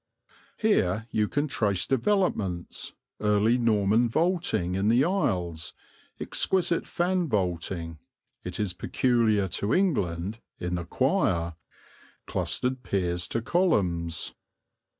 Here you can trace developments, early Norman vaulting in the aisles, exquisite fan vaulting it is peculiar to England in the choir, clustered piers to columns.